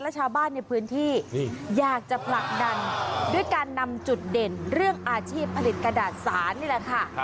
ชาวบ้านในพื้นที่อยากจะผลักดันด้วยการนำจุดเด่นเรื่องอาชีพผลิตกระดาษศาลนี่แหละค่ะ